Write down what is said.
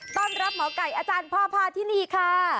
ต้อนรับหมอไก่อาจารย์พ่อพาทินีค่ะ